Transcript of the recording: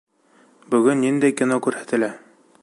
Бөгөн ниндәй кино күрһәтелә?